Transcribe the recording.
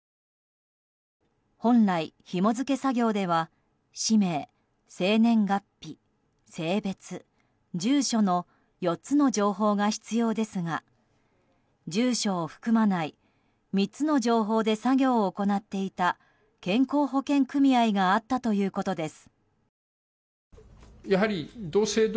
本来ひも付け作業では氏名、生年月日、性別、住所の４つの情報が必要ですが住所を含まない３つの情報で作業を行っていた健康保険組合があったということです。